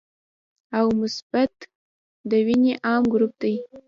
او مثبت د وینې عام ګروپ دی